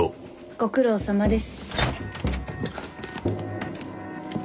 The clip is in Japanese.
ご苦労さまです。